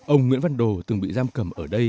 ông nguyễn văn đồ từng bị giam cầm ở đây